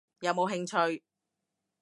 有冇興趣？